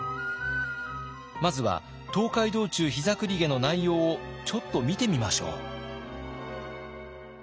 まずは「東海道中膝栗毛」の内容をちょっと見てみましょう。